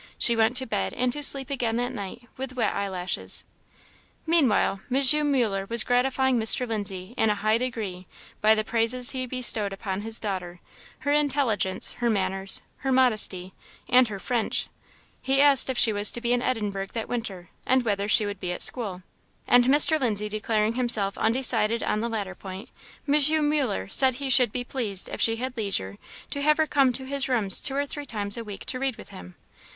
She went to bed and to sleep again that night with wet eyelashes. Meanwhile M. Muller was gratifying Mr. Lindsay in a high degree by the praises he bestowed upon his daughter, her intelligence, her manners, her modesty, and her French. He asked if she was to be in Edinburgh that winter, and whether she would be at school; and Mr. Lindsay declaring himself undecided on the latter point, M. Muller said he should be pleased, if she had leisure, to have her come to his rooms two or three times a week to read with him.